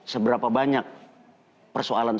seberapa banyak persoalan